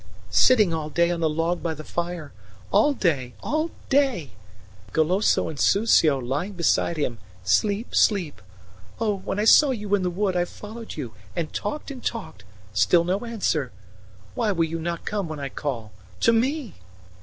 "Sitting all day on a log by the fire all day, all day; Goloso and Susio lying beside him sleep, sleep. Oh, when I saw you in the wood I followed you, and talked and talked; still no answer. Why will you not come when I call? To me!"